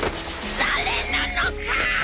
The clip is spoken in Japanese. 誰なのか！